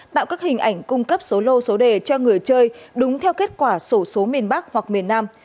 tạo các hình ảnh cung cấp số lô số đề cho người chơi đúng theo kết quả sổ số miền bắc hoặc miền nam